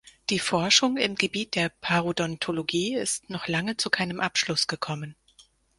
Die Forschung im Gebiet der Parodontologie ist noch lange zu keinem Abschluss gekommen.